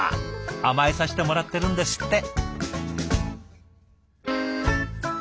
甘えさせてもらってるんですって。